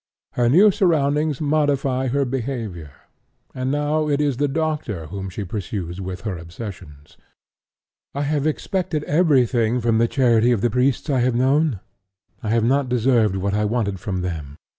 Her new surroundings modify her behavior, and now it is the doctor whom she pursues with her obsessions. 'I expected everything from the charity of the priests I have known; I have not deserved what I wanted from them.